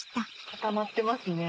固まってますね。